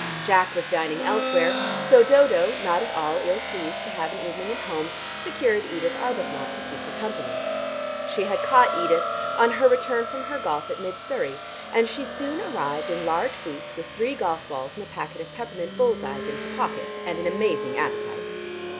Jack was dining elsewhere, so Dodo, not at all ill pleased to have an evening at home, secured Edith Arbuthnot to keep her company. She had caught Edith on her return from her golf at Mid Surrey, and she soon arrived in large boots with three golf balls and a packet of peppermint bull's eyes in her pocket, and an amazing appetite.